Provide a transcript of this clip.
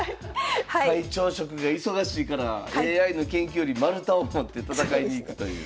会長職が忙しいからＡＩの研究より丸太を持って戦いに行くという。